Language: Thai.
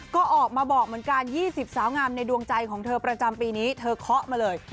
ก็ออกมาบอกเหมือนกัน๒๐สาวงามในดวงใจของเธอประจำปีนี้เธอเคาะมาเลย